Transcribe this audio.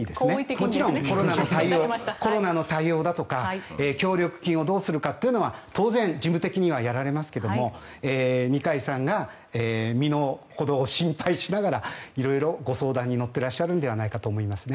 もちろんコロナの対応だとか協力金をどうするかっていうのは当然、事務的にはやられますが二階さんが身のほどを心配しながら色々とご相談に乗ってらっしゃるのではないかと思いますね。